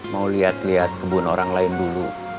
mau liat liat kebun orang lain dulu